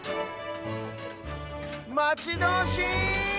まちどおしい！